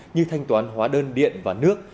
như thanh toán hóa đơn điện và nước